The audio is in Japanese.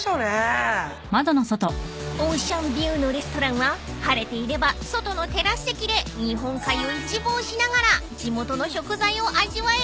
［オーシャンビューのレストランは晴れていれば外のテラス席で日本海を一望しながら地元の食材を味わえるんです］